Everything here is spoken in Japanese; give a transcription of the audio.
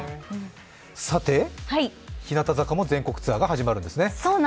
さて、日向坂も全国ツアーが始まるんですよね。